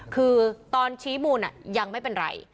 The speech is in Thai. คือตอนชี้มูลยังไม่เป็นไร